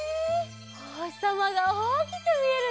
おほしさまがおおきくみえるね。